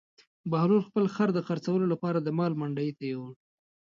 بهلول خپل خر د خرڅولو لپاره د مال منډي ته یووړ.